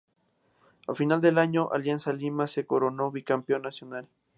Al final del año, Alianza Lima se coronó Bicampeón Nacional.